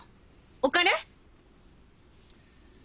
お金？